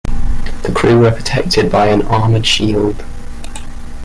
The crew were protected by an armoured shield.